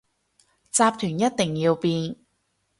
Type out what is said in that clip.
集團一定要變